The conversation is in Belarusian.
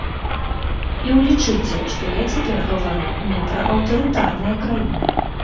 І ўлічыце, што я цяпер гавару не пра аўтарытарныя краіны.